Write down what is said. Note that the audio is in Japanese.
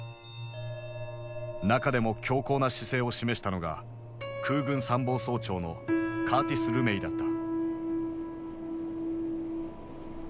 中でも強硬な姿勢を示したのが空軍参謀総長のカーティス・ルメイだった。